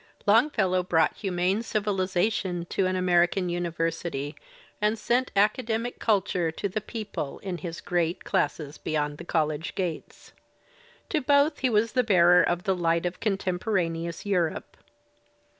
Longfellow brought humane civilization to an American university and sent academic culture to the people in his great classes beyond the college gates. To both he was the bearer of the light of contemporaneous Europe.